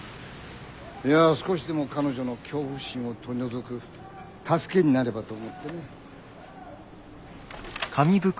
いや少しでも彼女の恐怖心を取り除く助けになればと思ってね。